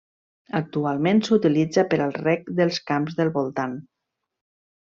Actualment s'utilitza per al rec dels camps del voltant.